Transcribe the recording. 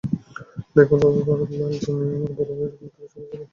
দেখো বাবা ভারত লাল, তুমি আমার বড় ভাইয়ের একমাত্র ছেলে ছিলে।